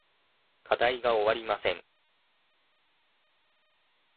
課題が終わりません。